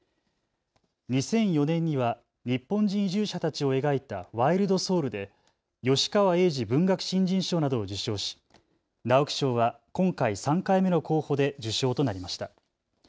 ２００４年には日本人移住者たちを描いたワイルド・ソウルで吉川英治文学新人賞などを受賞し直木賞は今回３回目の候補で受賞となりました。